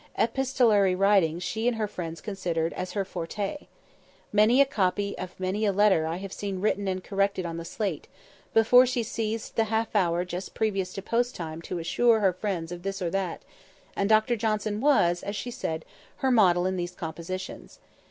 Epistolary writing she and her friends considered as her forte. Many a copy of many a letter have I seen written and corrected on the slate, before she "seized the half hour just previous to post time to assure" her friends of this or of that; and Dr Johnson was, as she said, her model in these compositions.